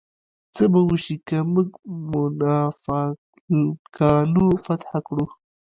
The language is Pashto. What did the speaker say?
څه به وشي که موږ مونافالکانو فتح کړو؟